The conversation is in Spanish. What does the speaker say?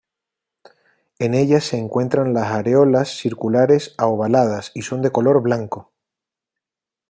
En ellas se encuentran las areolas circulares a ovaladas y son de color blanco.